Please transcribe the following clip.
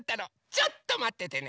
ちょっとまっててね！